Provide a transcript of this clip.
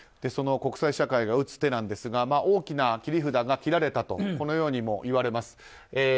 その国際社会が打つ手なんですが大きな切り札が切られたともいわれます。